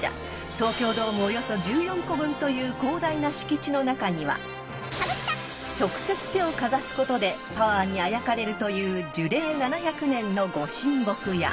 ［東京ドームおよそ１４個分という広大な敷地の中には直接手をかざすことでパワーにあやかれるという］